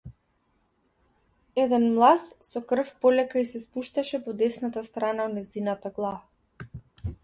Еден млаз со крв полека ѝ се спушташе по десната страна од нејзината глава.